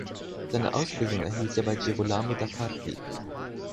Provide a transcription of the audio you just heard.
Seine Ausbildung erhielt er bei Girolamo da Carpi.